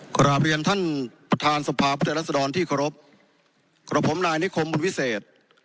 กราบเรียนท่านประธานสภาพุทธรัศดรที่เคารพกับผมนายนิคมบุญวิเศษ